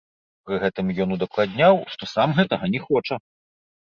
Пры гэтым ён удакладняў, што сам гэтага не хоча.